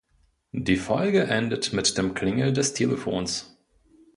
Die Folge endet mit dem Klingeln des Telefons.